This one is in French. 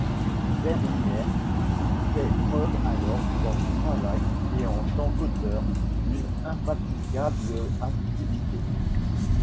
Berliner fait preuve alors dans son travail et en tant qu'auteur, d'une infatigable activité.